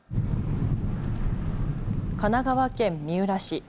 神奈川県三浦市。